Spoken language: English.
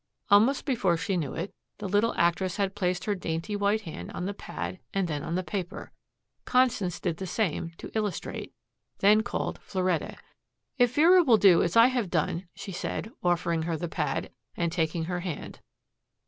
Almost before she knew it, the little actress had placed her dainty white hand on the pad and then on the paper. Constance did the same, to illustrate, then called Floretta. "If Vera will do as I have done," she said, offering her the pad, and taking her hand.